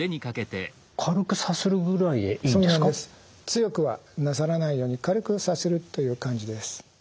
強くはなさらないように軽くさするという感じです。